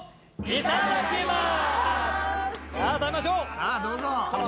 いただきます。